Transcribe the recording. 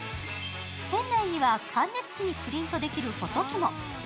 店内には、感熱紙にプリントできるフォト機も。